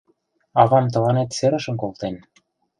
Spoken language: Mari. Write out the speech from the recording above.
— Авам тыланет серышым колтен.